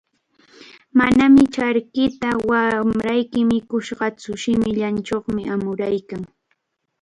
Manami charkita wamrayki mikuntsu, shimillanchawmi amuraykan.